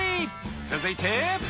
続いて。